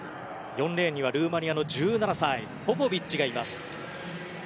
４レーンにはルーマニアの１７歳、ポポビッチがいます。